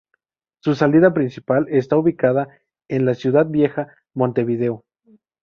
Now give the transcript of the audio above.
Su salida principal está ubicada en la Ciudad Vieja, Montevideo.